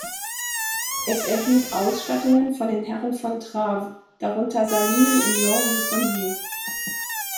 Es erhielt Ausstattungen von den Herren von Traves, darunter Salinen in Lons-le-Saunier.